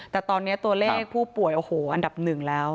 แต่ตอนนี้ตัวเลขผู้ป่วยโอ้โหอันดับหนึ่งแล้ว